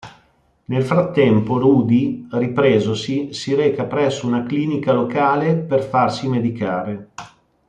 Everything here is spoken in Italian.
Nel frattempo Rudy, ripresosi, si reca presso una clinica locale per farsi medicare.